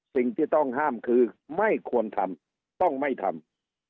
สิ่งที่ต้องห้ามคือไม่ควรทำต้องไม่ทำ